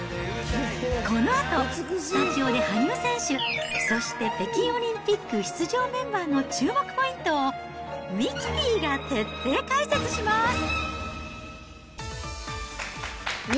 このあと、スタジオで羽生選手、そして北京オリンピック出場メンバーの注目ポイントを、ミキティが徹底解説します。